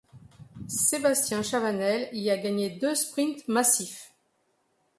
Sébastien Chavanel y a gagné deux sprints massifs.